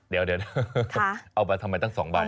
เดี๋ยวเอาไปทำไมตั้ง๒ใบ